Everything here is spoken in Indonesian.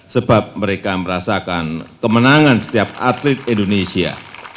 sebab mereka merasakan kemenangan setiap atlet indonesia